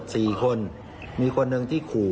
คือจริงก่อนที่จะลงคลิปเนี่ยนะครับ